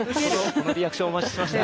このリアクションお待ちしてました。